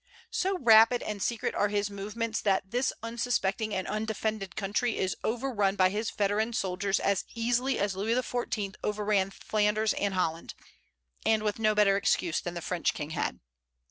So rapid and secret are his movements, that this unsuspecting and undefended country is overrun by his veteran soldiers as easily as Louis XIV. overran Flanders and Holland, and with no better excuse than the French king had.